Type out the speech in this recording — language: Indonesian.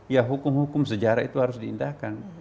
ya hukum hukum sejarah itu harus diindahkan